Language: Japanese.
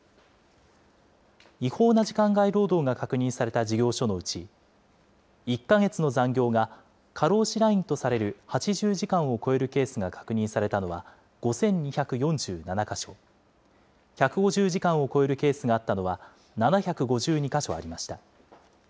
違法な時間外労働が確認された事業所のうち、１か月の残業が過労死ラインとされる８０時間を超えるケースが確認されたのは５２４７か所、１５０時間を超えるケースがあったのは７５２か所ありました。